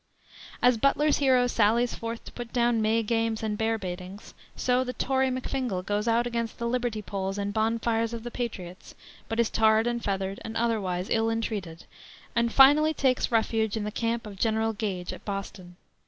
As Butler's hero sallies forth to put down May games and bear baitings, so the tory McFingal goes out against the liberty poles and bon fires of the patriots, but is tarred and feathered, and otherwise ill entreated, and finally takes refuge in the camp of General Gage at Boston.